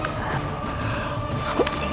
kau akan menerima kesalahanmu